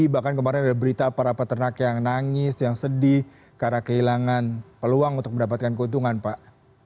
bahkan kemarin ada berita para peternak yang nangis yang sedih karena kehilangan peluang untuk mendapatkan keuntungan pak